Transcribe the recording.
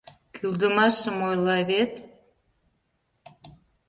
Кӱлдымашым ойла вет...